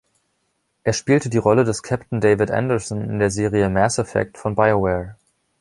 Er spielte die Rolle des Captain David Anderson in der Serie „Mass Effect“ von BioWare.